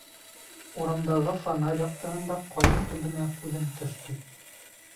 Урамдағы фонарь яҡтыһында ҡайын төбөнә күҙем төштө.